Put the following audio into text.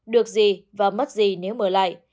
được gì và mất gì nếu mở lại